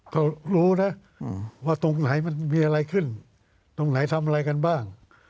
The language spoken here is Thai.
ก็รู้นะว่าตรงไหนมันมีอะไรขึ้นตรงไหนทำอะไรกันบ้าง